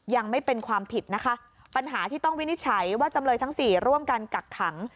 ยังไม่เป็นความผิดนะคะปัญหาที่ต้องวินิจฉัยว่าจำเลยทั้งสี่ร่วมกันกักขัง